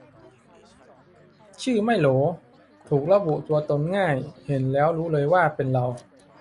ชื่อไม่โหล ถูกระบุตัวตนง่าย เห็นแล้วรู้เลยว่าเป็นเรา